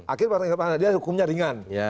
akhirnya dia hukumnya ringan